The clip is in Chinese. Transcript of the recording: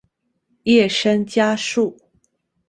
叶山嘉树。